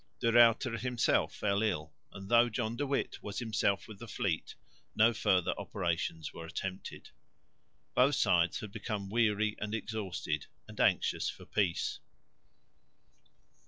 De Ruyter himself fell ill; and, though John de Witt was himself with the fleet, no further operations were attempted. Both sides had become weary and exhausted and anxious for peace.